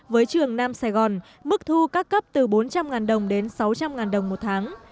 với trường nam sài gòn mức thu các cấp từ bốn trăm linh đồng đến sáu trăm linh đồng một tháng